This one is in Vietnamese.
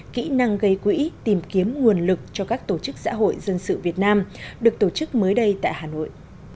kỹ năng gây quỹ tìm kiếm nguồn lực cho các tổ chức xã hội dân sự việt nam được tổ chức mới đây tại hà nội